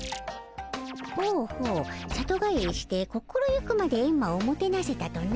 ほうほう里帰りして心ゆくまでエンマをもてなせたとな。